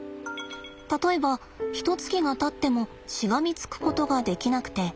例えばひとつきがたってもしがみつくことができなくて。